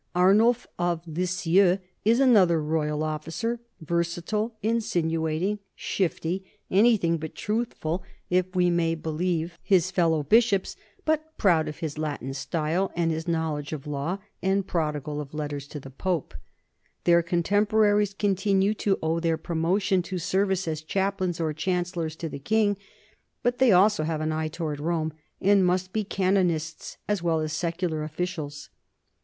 Arnulf of Lisieux is another royal officer, versatile, in sinuating, shifty, anything but truthful if we may be 1 Robert of Torigni (ed. Delisle), I, p. 344. 168 NORMANS IN EUROPEAN HISTORY lieve his fellow bishops, but proud of his Latin style and his knowledge of law and prodigal of letters to the Pope. Their contemporaries continue to owe their promotion to service as chaplains or chancellors to the king, but they also have an eye toward Rome and must be canon ists as well as secular officials.